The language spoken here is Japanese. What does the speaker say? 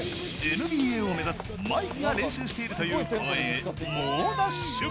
ＮＢＡを目指すマイクが練習しているという公園へ猛ダッシュ。